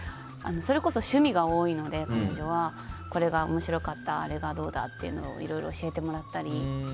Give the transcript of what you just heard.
それこそ彼女は趣味が多いのでこれが面白かったあれがどうだとかいろいろ教えてもらったり。